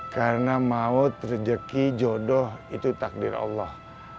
karena maut rezeki jodoh itu takdir allah